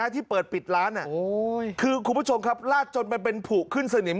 ที่เปิดปิดร้านคือคุณผู้ชมครับลาดจนมันเป็นผูกขึ้นสนิม